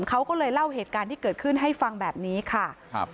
เขาก็เลยเล่าเหตุการณ์ที่เกิดขึ้นให้ฟังแบบนี้ค่ะครับ